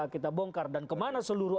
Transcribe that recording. kita bongkar dan kemana seluruh